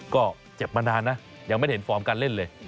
ก็เจ็บมานานนะยังไม่ได้เห็นฟอร์มการเล่นเลย